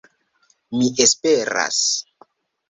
Mi esperas